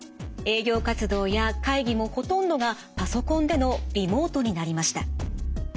営業活動や会議もほとんどがパソコンでのリモートになりました。